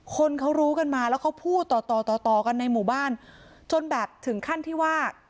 คนเขารู้กันมาแล้วเขาพูดต่อต่อต่อต่อกันในหมู่บ้านจนแบบถึงขั้นที่ว่า